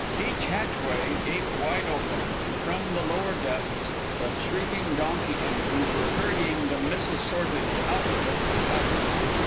Each hatchway gaped wide open, and from the lower depths the shrieking donkey engines were hurrying the misassorted outfits skyward.